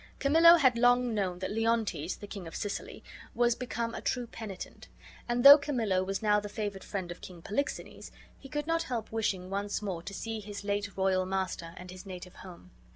Camillo had long known that Leontes, the King of Sicily, was become a true penitent; and though Camillo was now the favored friend of King Polixenes, he could not help wishing once more to see his late royal master and his native home.